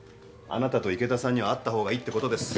あなたと池田さんにはあった方がいいってことです。